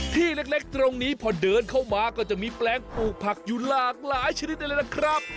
ที่เล็กตรงนี้พอเดินเข้ามาก็จะมีแปลงปลูกผักอยู่หลากหลายชนิดได้เลยล่ะครับ